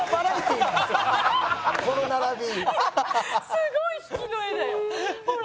すごい引きの画だよ。ほら。